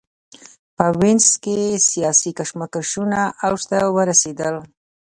په وینز کې سیاسي کشمکشونه اوج ته ورسېدل.